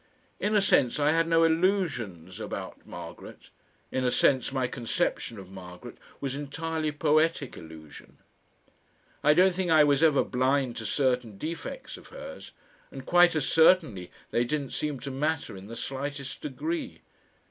In a sense I had no illusions about Margaret; in a sense my conception of Margaret was entirely poetic illusion. I don't think I was ever blind to certain defects of hers, and quite as certainly they didn't seem to matter in the slightest degree.